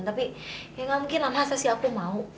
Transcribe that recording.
tapi ya gak mungkin lama sama sih aku mau